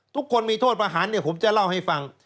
ทุกคนมีโทษประหารผมจะเล่าให้ฟัง